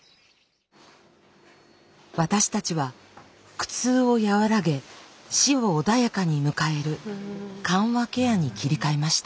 私たちは苦痛を和らげ死を穏やかに迎える「緩和ケア」に切り替えました。